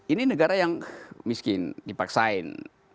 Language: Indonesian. ini negara yang miskin dipaksain